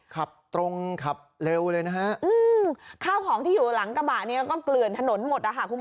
ขับตรงขับเร็วเลยนะฮะข้าวของที่อยู่หลังกระบะเนี่ยก็เกลื่อนถนนหมดนะคะคุณผู้ชม